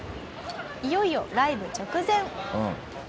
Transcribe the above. いよいよライブ直前。